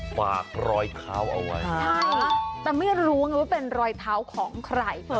รอยเท้าเอาไว้ใช่แต่ไม่รู้ไงว่าเป็นรอยเท้าของใคร